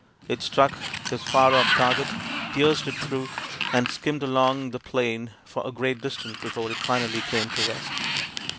It struck his far off target, pierced it through, and skimmed along the plain for a great distance before it finally came to rest.